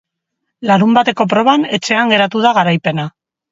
Larunbateko proban, etxean geratu da garaipena.